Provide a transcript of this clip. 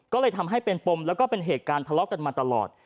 ก็เลยทำให้เป็นปมแล้วก็เป็นเหตุการณ์ทะเลาะกันมาตลอด